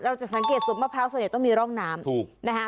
เราจะสังเกตสูบมะพร้าวต้องมีร่องน้ำ